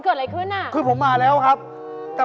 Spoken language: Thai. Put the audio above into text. แต่ประตูเขียนว่าเลื่อนผมก็เลยกลับครับ